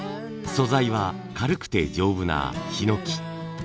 素材は軽くて丈夫なヒノキ。